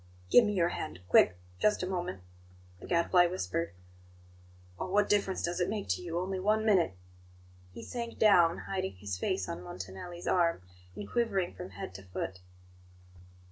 "Give me your hand quick just a moment," the Gadfly whispered. "Oh, what difference does it make to you? Only one minute!" He sank down, hiding his face on Montanelli's arm, and quivering from head to foot.